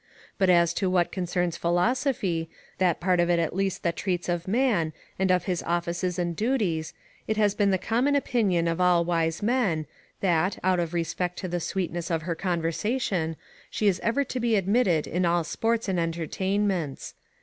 But as to what concerns philosophy, that part of it at least that treats of man, and of his offices and duties, it has been the common opinion of all wise men, that, out of respect to the sweetness of her conversation, she is ever to be admitted in all sports and entertainments.